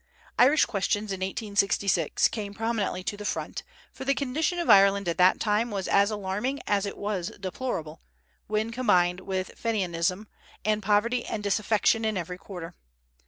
Irish questions in 1866 came prominently to the front, for the condition of Ireland at that time was as alarming as it was deplorable, with combined Fenianism and poverty and disaffection in every quarter.